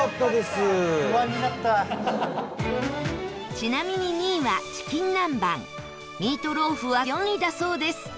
ちなみに、２位はチキン南蛮ミートローフは４位だそうです。